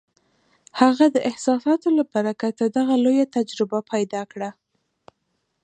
هغه د احساساتو له برکته دغه لویه تجربه پیدا کړه